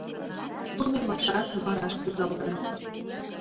Тунемашат вараш кодалтын.